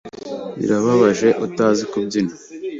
Birababaje utazi kubyina.